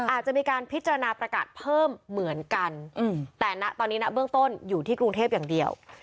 อาจจะมีการพิจารณาประกาศเพิ่มเหมือนกันแต่ณตอนนี้นะเบื้องต้นอยู่ที่กรุงเทพอย่างเดียว